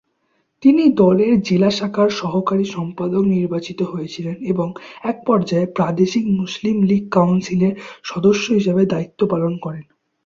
তিনি দলের জেলা শাখার সহকারী সম্পাদক নির্বাচিত হয়েছিলেন এবং একপর্যায়ে প্রাদেশিক মুসলিম লীগ কাউন্সিলের সদস্য হিসাবে দায়িত্ব পালন করেন।